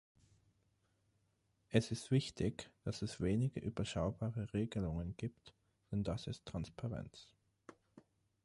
Es ist wichtig, dass es wenige überschaubare Reglungen gibt, denn das ist Transparenz.